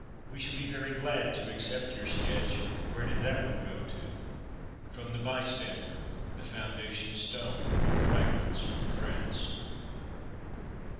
"We shall be very glad to accept your sketch, 'Where did that one go to?' From the Bystander" the foundation stone of Fragments from France.